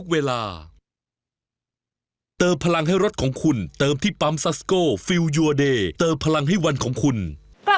กลับมาอีกครั้งนะคะกับแวนดี้สับแหลกนะคะ